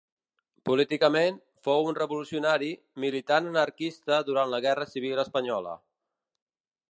Políticament, fou un revolucionari, militant anarquista durant la Guerra Civil espanyola.